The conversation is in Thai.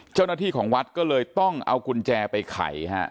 เจ้าหน้าที่ของวัดก็เลยต้องเอากุญแจไปไขฮะ